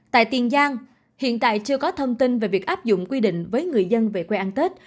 tại tiền giang hiện tại chưa có thông tin về việc áp dụng quy định với người dân về quê ăn tết